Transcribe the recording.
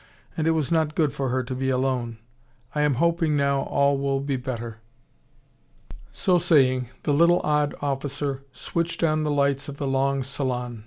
And it was not good for her to be alone. I am hoping now all will be better." So saying, the little, odd officer switched on the lights of the long salon.